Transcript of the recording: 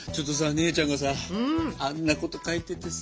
姉ちゃんがさあんなこと書いててさ。